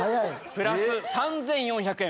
プラス３４００円